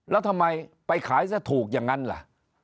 แล้วทำไมไปขายซะถูกอย่างนั้นล่ะ